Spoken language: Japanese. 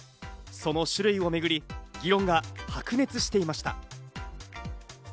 その種類をめぐり、議論が白熱していました。